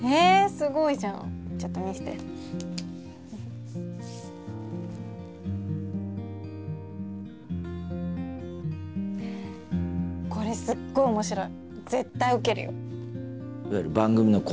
すごいじゃんちょっと見せてこれすっごい面白い